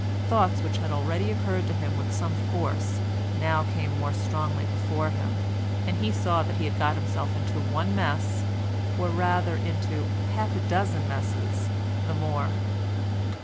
Thoughts which had already occurred to him with some force now came more strongly before him, and he saw that he had got himself into one mess—or rather into half a dozen messes—the more.